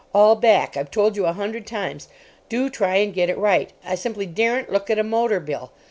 All back. I've told you a hundred times. Do try and get it right—I simply daren't look at a motor bill.